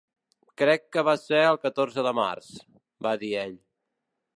'Crec que va ser el catorze de març,' va dir ell.